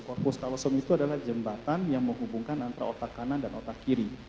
corpos calosom itu adalah jembatan yang menghubungkan antara otak kanan dan otak kiri